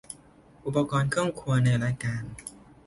อุปกรณ์เครื่องครัวในรายการ